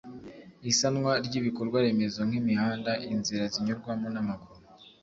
isanwa ry’ ibikorwa remezo nk’ imihanda inzira zinyurwamo n’amaguru